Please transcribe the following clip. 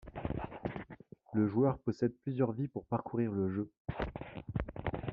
Le joueur possède plusieurs vies pour parcourir le jeu.